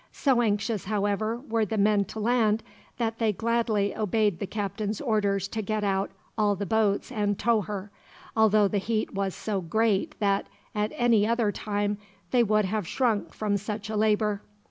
So anxious, however, were the men to land, that they gladly obeyed the captain's orders to get out all the boats and tow her although the heat was so great that, at any other time, they would have shrunk from such a labor.